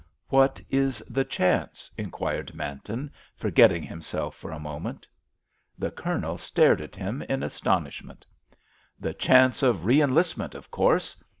"What is the chance?" inquired Manton, forgetting himself for a moment. The Colonel stared at him in astonishment. "The chance of re enlistment, of course.